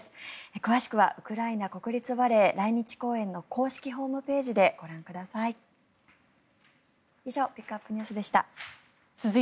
詳しくはウクライナ国立バレエ来日公演の公式ホームページでご覧ください。